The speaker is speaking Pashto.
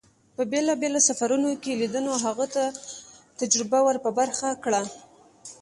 په بېلابېلو سفرون کې لیدنو هغه ته تجربه ور په برخه کړه.